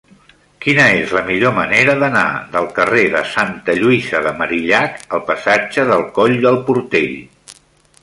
Quina és la millor manera d'anar del carrer de Santa Lluïsa de Marillac al passatge del Coll del Portell?